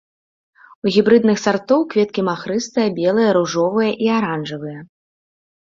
У гібрыдных сартоў кветкі махрыстыя, белыя, ружовыя і аранжавыя.